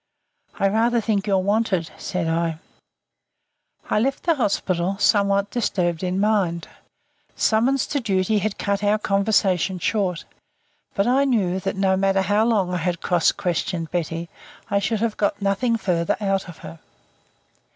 "I rather think you're wanted," said I. I left the hospital somewhat disturbed in mind. Summons to duty had cut our conversation short; but I knew that no matter how long I had cross questioned Betty I should have got nothing further out of her.